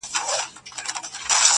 زه د بـلا سـره خـبري كـوم~